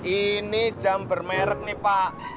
ini jam bermerek nih pak